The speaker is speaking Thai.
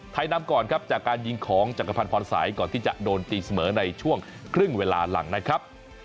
นำก่อนครับจากการยิงของจักรพันธ์พรสายก่อนที่จะโดนตีเสมอในช่วงครึ่งเวลาหลังนะครับ